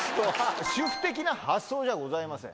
主婦的な発想じゃございません。